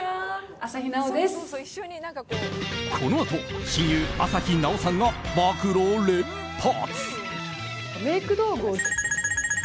このあと、親友朝日奈央さんが暴露を連発！